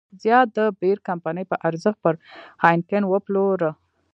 زیات د بیر کمپنۍ په ارزښت پر هاینکن وپلوره.